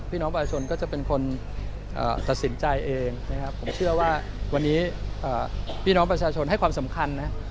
พี่น้องประชาชนก็จะเป็นคนตัดสินใจเองนะครับผมเชื่อว่าวันนี้พี่น้องประชาชนให้ความสำคัญนะ